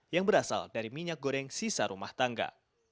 yang berasal dari minyak goreng sisa rumah tangga